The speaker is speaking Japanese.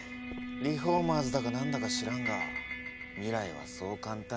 リフォーマーズだか何だか知らんが未来はそう簡単には変わらんよ。